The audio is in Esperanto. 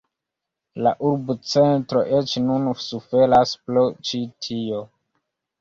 La urbocentro eĉ nun suferas pro ĉi tio.